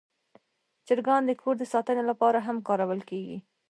چرګان د کور د ساتنې لپاره هم کارول کېږي.